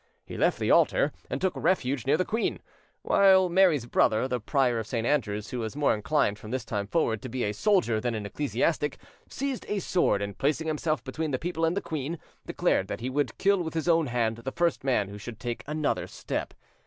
He left the altar, and took refuge near the queen, while Mary's brother, the Prior of St. Andrews, who was more inclined from this time forward to be a soldier than an ecclesiastic, seized a sword, and, placing himself between the people and the queen, declared that he would kill with his own hand the first man who should take another step.